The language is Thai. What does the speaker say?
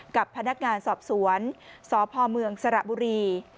กับพนักงานสอบสวนสพเมืองสระบุรี